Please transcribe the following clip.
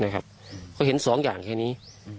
เขาเห็นสองอย่างแค่นี้